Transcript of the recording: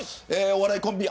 お笑いコンビ